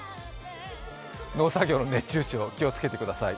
農作業の熱中症、気をつけてください。